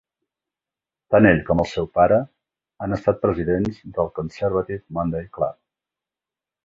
Tant ell com el seu pare han estat presidents del Conservative Monday Club.